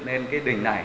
nên cái đỉnh này